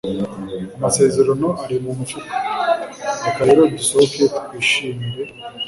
amasezerano ari mumufuka, reka rero dusohoke twishimire